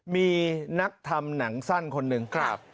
มีนักทำหนังสั้นคนหนึ่ง